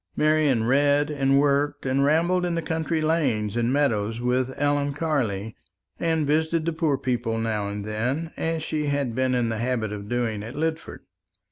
Marian read and worked and rambled in the country lanes and meadows with Ellen Carley, and visited the poor people now and then, as she had been in the habit of doing at Lidford.